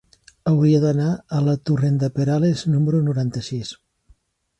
Hauria d'anar a la torrent de Perales número noranta-sis.